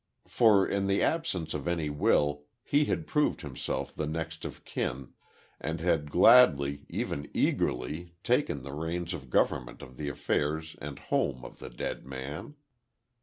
For, in the absence of any will, he had proved himself the next of kin, and had gladly, even eagerly, taken the reins of government of the affairs and home of the dead man.